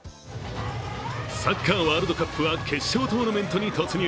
サッカーワールドカップは決勝トーナメントに突入。